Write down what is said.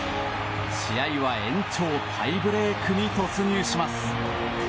試合は延長タイブレークに突入します。